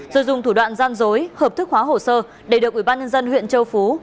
rồi dùng thủ đoạn gian dối hợp thức hóa hồ sơ để được ubnd huyện châu phú